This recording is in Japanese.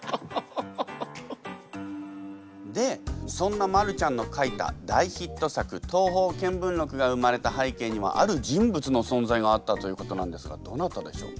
でそんなマルちゃんの書いた大ヒット作「東方見聞録」が生まれた背景にはある人物の存在があったということなんですがどなたでしょう？